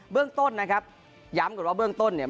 เรื่องต้นนะครับย้ำก่อนว่าเบื้องต้นเนี่ย